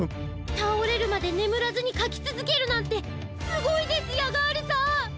たおれるまでねむらずにかきつづけるなんてすごいですヤガールさん！